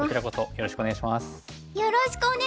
よろしくお願いします！